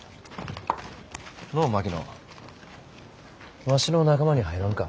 のう槙野わしの仲間に入らんか？